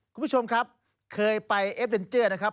คุณผู้ชมครับเคยไปเอสเวนเจอร์นะครับ